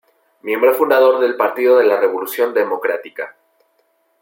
Miembro Fundador del Partido de la Revolución Democrática.